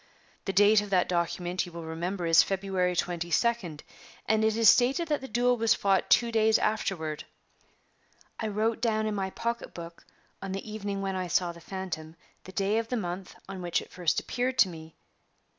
The date of that document, you will remember, is February 22d, and it is stated that the duel was fought two days afterward. I wrote down in my pocketbook, on the evening when I saw the phantom, the day of the month on which it first appeared to me.